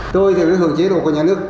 tôi theo các hướng chế độ của nhà nước